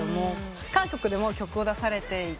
韓国でも曲を出されていて。